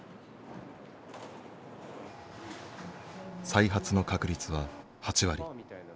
再発の確率は８割。